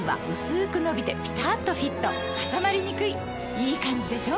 いいカンジでしょ？